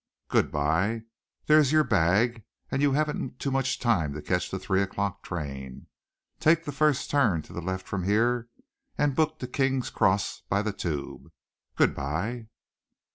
Good bye! There is your bag, and you haven't too much time to catch the three o'clock train. Take the first turn to the left from here, and book to King's Cross by the Tube. Good bye!"